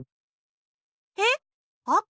えっあか？